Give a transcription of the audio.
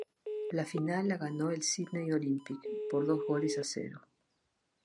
La final la ganó el Sydney Olympic, por dos goles a cero.